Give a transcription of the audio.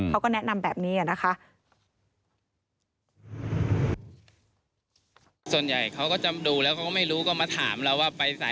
เขาก็แนะนำแบบนี้นะคะ